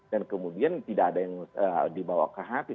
dan kemudian tidak ada yang dibawa ke hati